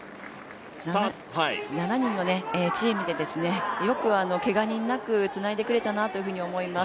７人のチームでよくけが人なくつないでくれたなと思います。